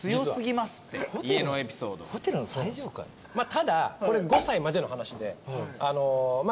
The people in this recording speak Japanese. ただこれ５歳までの話で。